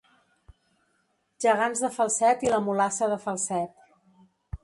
Gegants de Falset i la mulassa de Falset.